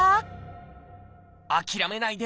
諦めないで！